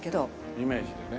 イメージでね。